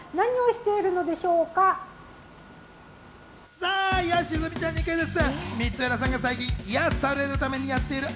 さぁ、吉住ちゃんにクイズッス！